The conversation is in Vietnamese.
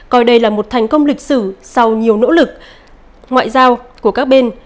coi đây là một thành công lịch sử sau nhiều nỗ lực ngoại giao của các bên